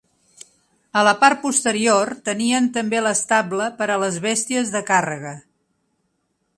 A la part posterior tenien també l'estable per a les bèsties de càrrega.